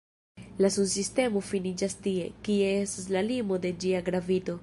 La Sunsistemo finiĝas tie, kie estas la limo de ĝia gravito.